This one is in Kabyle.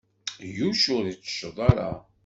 Yuc ur yettecceḍ ara.